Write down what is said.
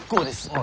あ？